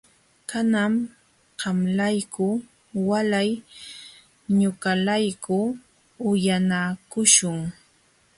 Kanan qamlayku walay ñuqalayku uyanakuśhun.